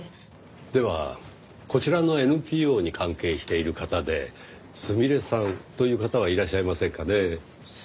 ではこちらのＮＰＯに関係している方ですみれさんという方はいらっしゃいませんかね？